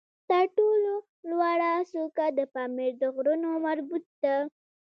تر ټولو لوړه څوکه د پامیر د غرونو مربوط ده